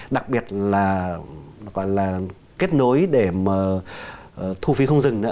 đặc biệt là kết nối để thu phí không dừng